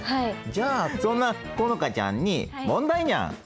じゃあそんな好花ちゃんに問題にゃん。